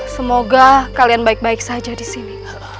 semoga kalian baik baik saja di sini